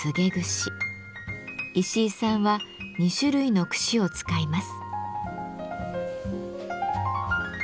石井さんは２種類の櫛を使います。